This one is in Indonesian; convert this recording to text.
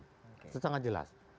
itu sangat jelas